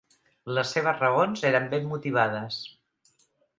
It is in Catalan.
Les seves raons eren ben motivades.